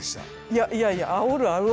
いやいやあおるあおる。